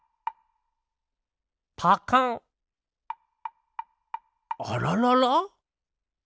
パカン！あららら？